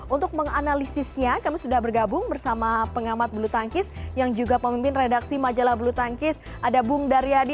untuk menganalisisnya kami sudah bergabung bersama pengamat bulu tangkis yang juga pemimpin redaksi majalah bulu tangkis ada bung daryadi